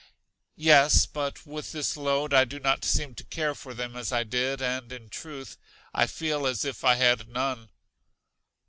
Yes, but with this load I do not seem to care for them as I did; and, in truth, I feel as if I had none.